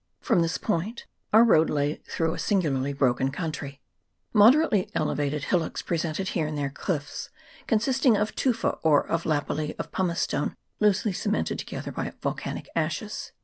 From this point our road lay through a singu larly broken country. Moderately elevated hillocks presented here and there cliffs consisting of tufa or of lapilli of pumicestone loosely cemented together by volcanic ashes.